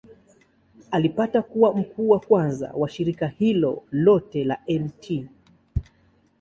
Alipata kuwa mkuu wa kwanza wa shirika hilo lote la Mt.